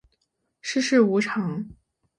世事无常